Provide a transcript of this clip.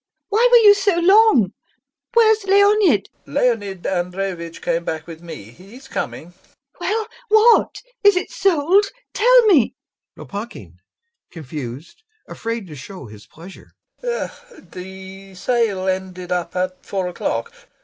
Why were you so long? Where's Leonid? LOPAKHIN. Leonid Andreyevitch came back with me, he's coming.... LUBOV. [Excited] Well, what? Is it sold? Tell me? LOPAKHIN. [Confused, afraid to show his pleasure] The sale ended up at four o'clock....